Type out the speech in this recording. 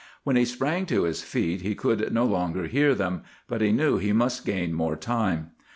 "When he sprang to his feet he could no longer hear them; but he knew he must gain more time.